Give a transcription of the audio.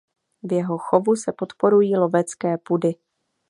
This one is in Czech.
V jeho chovu se podporují lovecké pudy.